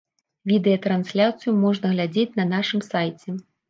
Відэатрансляцыю можна глядзець на нашым сайце.